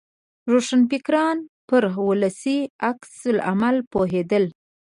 روښانفکران پر ولسي عکس العمل پوهېدل.